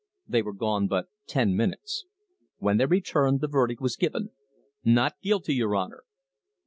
They were gone but ten minutes. When they returned, the verdict was given: "Not guilty, your Honour!"